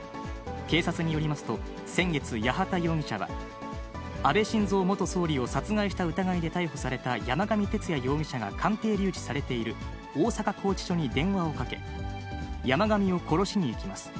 警察によりますと、先月、八幡容疑者は安倍晋三元総理を殺害した疑いで逮捕された山上徹也容疑者が鑑定留置されている大阪拘置所に電話をかけ、山上を殺しに行きます。